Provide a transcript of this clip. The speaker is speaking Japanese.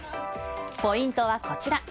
ポイントはこちら。